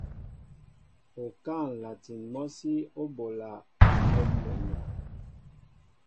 Okáá nlatin mɔsí o ɓola mal mwenya.